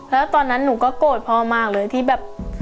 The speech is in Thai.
แล้วตอนนั้นหนูก็โกรธพ่อมากเลยที่แบบ